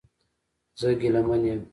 زه ګیلمن یم